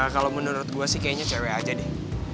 kalau menurut gue sih kayaknya cewek aja deh